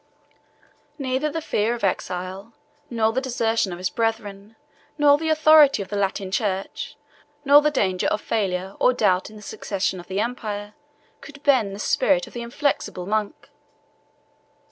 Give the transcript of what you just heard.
Neither the fear of exile, nor the desertion of his brethren, nor the authority of the Latin church, nor the danger of failure or doubt in the succession to the empire, could bend the spirit of the inflexible monk.